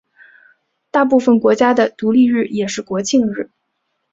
大部分国家的独立日也是国庆日。